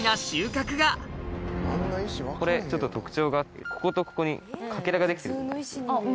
これちょっと特徴があってこことここにかけらが出来てると思うんですよね。